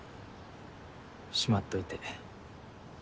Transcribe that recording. しまっといて。